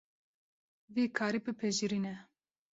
Vî karî bipejirîne.